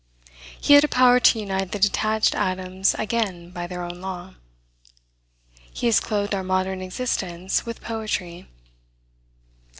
He had a power to unite the detached atoms again by their own law. He has clothed our modern existence with poetry.